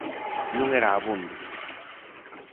Non era abondo.